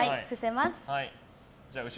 伏せます。